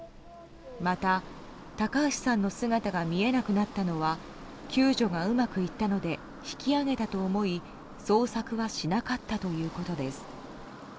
また、高橋さんの姿が見えなくなったのは救助がうまくいったので引き揚げたと思い捜索はしなかったということです。